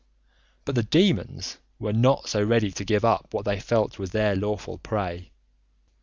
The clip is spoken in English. But the demons were not so ready to give up what they felt was their lawful prey.